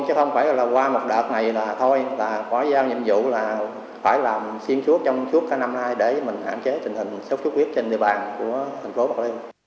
chứ không phải là qua một đợt này là thôi là có giao nhiệm vụ là phải làm xuyên suốt trong suốt cả năm nay để mình hạn chế